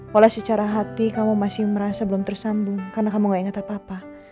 wala secara hati kamu masih merasa belum tersambung karena kamu gak ingat apa apa